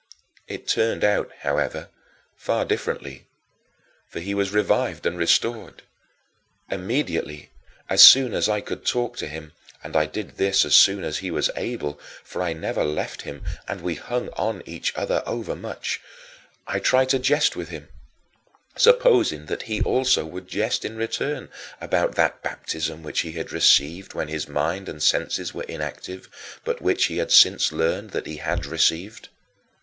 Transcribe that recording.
It turned out, however, far differently, for he was revived and restored. Immediately, as soon as I could talk to him and I did this as soon as he was able, for I never left him and we hung on each other overmuch I tried to jest with him, supposing that he also would jest in return about that baptism which he had received when his mind and senses were inactive, but which he had since learned that he had received.